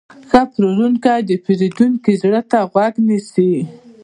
ښه پلورونکی د پیرودونکي زړه ته غوږ نیسي.